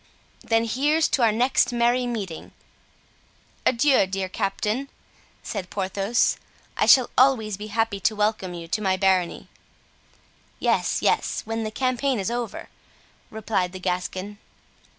"Then, here's to our next merry meeting!" "Adieu, dear captain," said Porthos, "I shall always be happy to welcome you to my barony." "Yes, yes, when the campaign is over," replied the Gascon.